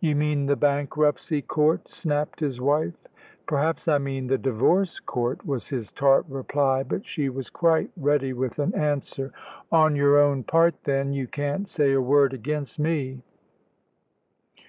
"You mean the Bankruptcy Court," snapped his wife. "Perhaps I mean the Divorce Court," was his tart reply, but she was quite ready with an answer. "On your own part, then; you can't say a word against me."